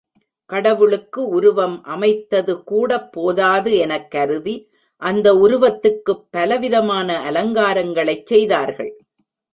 கடவுளுக்கு உருவம் அமைத்ததுகூடப் போதாது எனக் கருதி, அந்த உருவத்துக்குப் பலவிதமான அலங்காரங்களைச் செய்தார்கள்.